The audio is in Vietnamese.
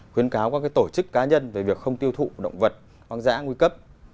khuyến cáo các tổ chức cá nhân về việc không tiêu thụ động vật hoang dã nguy cấp